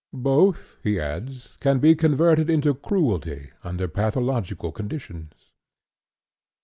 Both," he adds, "can be converted into cruelty under pathological conditions."